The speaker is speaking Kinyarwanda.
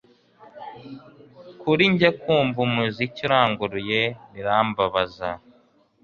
Kuri njye kumva umuziki uranguruye birambabaza